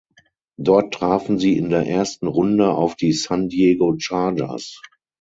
Dort trafen sie in der ersten Runde auf die San Diego Chargers.